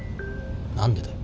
何でだよ。